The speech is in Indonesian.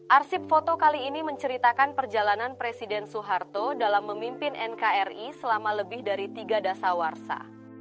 arsip foto kali ini menceritakan perjalanan presiden soeharto dalam memimpin nkri selama lebih dari tiga dasar warsa